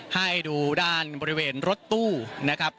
ให้ดูด้านบริเวณรถตู้นะครับ